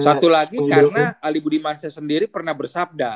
satu lagi karena ali budimansyah sendiri pernah bersabda